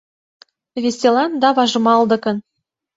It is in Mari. Веселан да важмалдыкын